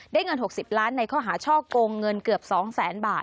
ได้เงิน๖๐ล้านบาทในข้อหาช่อโกงเงินเกือบ๒๐๐๐๐๐บาท